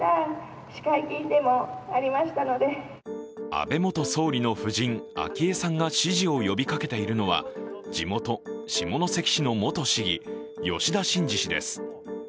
安倍元総理の夫人・昭恵さんが支持を呼びかけているのは地元・下関市の元市議吉田真次氏です。